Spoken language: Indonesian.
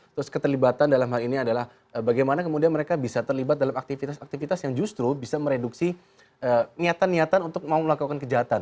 terus keterlibatan dalam hal ini adalah bagaimana kemudian mereka bisa terlibat dalam aktivitas aktivitas yang justru bisa mereduksi niatan niatan untuk mau melakukan kejahatan